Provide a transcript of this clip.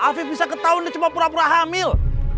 afif bisa ketahuan dia cuma pura pura hamil